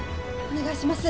お願いします。